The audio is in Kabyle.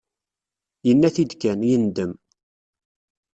Yenna-t-id kan, yendem.